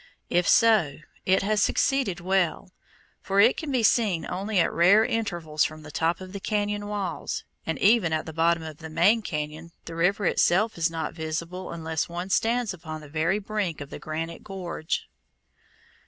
If so, it has succeeded well, for it can be seen only at rare intervals from the top of the cañon walls, and even at the bottom of the main cañon the river itself is not visible unless one stands upon the very brink of the granite gorge.